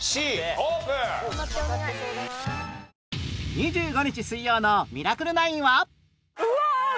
２５日水曜の『ミラクル９』は